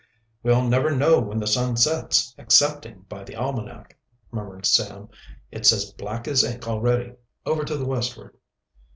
"We'll never know when the sun sets excepting by the almanac," murmured Sam. "It's as black as ink already, over to the westward."